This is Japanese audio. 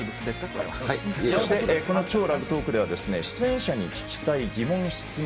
そしてこの「＃超ラグトーク」では出演者に聞きたい疑問、質問